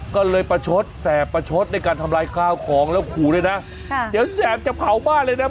ก็เลยประชดแสบประชดด้วยการทำลายข้าวของแล้วขู่ด้วยนะค่ะเดี๋ยวแสบจะเผาบ้านเลยนะ